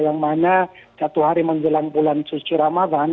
yang mana satu hari menjelang bulan suci ramadan